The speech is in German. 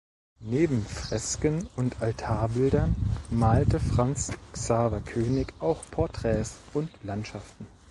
Neben Fresken und Altarbildern malte Franz Xaver König auch Porträts und Landschaften.